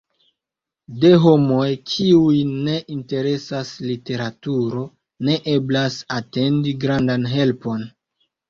De homoj, kiujn ne interesas literaturo, ne eblas atendi grandan helpon.